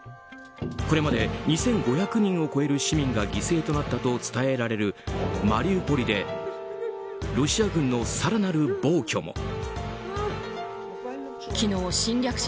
これまで２５００人を超える市民が犠牲になったと伝えられるマリウポリでロシア軍の更なる暴挙も。